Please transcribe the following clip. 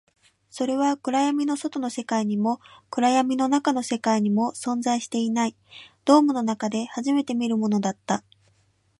それは暗闇の外の世界にも、暗闇の中の世界にも存在していない、ドームの中で初めて見るものだった